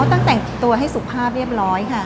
ตั้งแต่งตัวให้สุภาพเรียบร้อยค่ะ